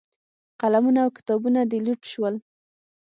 قلمونه او کتابونه دې لوټ شول.